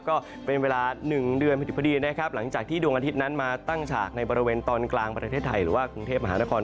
ก็เป็นเวลา๑เดือนพอดีนะครับหลังจากที่ดวงอาทิตย์นั้นมาตั้งฉากในบริเวณตอนกลางประเทศไทยหรือว่ากรุงเทพมหานคร